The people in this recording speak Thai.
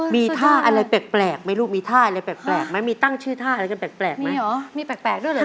มีท่าอะไรแปลกมีตั้งชื่อท่าอะไรแปลกมั้ย